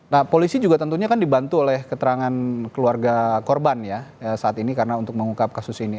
nah polisi juga tentunya kan dibantu oleh keterangan keluarga korban ya saat ini karena untuk mengungkap kasus ini